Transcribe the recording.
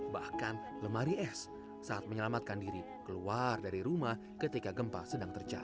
bahkan lemari es saat menyelamatkan diri keluar dari rumah ketika gempa sedang terjadi